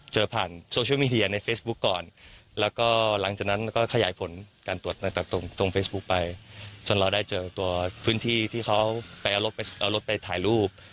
จนเราได้เจอตัวพื้นที่ที่เขาเอารถไปถ่ายรูป